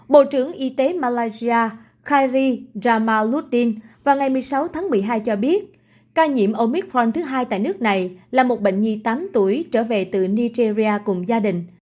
bộ trưởng y tế malaysia ludin vào ngày một mươi sáu tháng một mươi hai cho biết ca nhiễm omicron thứ hai tại nước này là một bệnh nhi tám tuổi trở về từ nigeria cùng gia đình